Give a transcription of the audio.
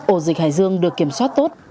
ổ dịch hải dương được kiểm soát tốt